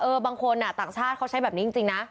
บางคนต่างชาติเขาใช้แบบนี้จริงนะ